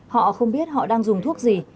họ không biết họ đang dùng thuốc gì